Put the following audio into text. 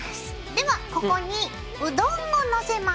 ではここにうどんを載せます。